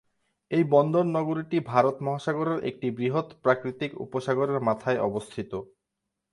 এই বন্দর নগরীটি ভারত মহাসাগরের একটি বৃহৎ প্রাকৃতিক উপসাগরের মাথায় অবস্থিত।